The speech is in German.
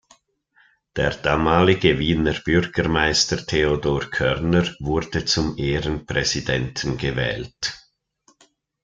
Der damalige Wiener Bürgermeister Theodor Körner wurde zum Ehrenpräsidenten gewählt.